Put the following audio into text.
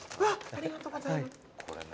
ありがとうございます。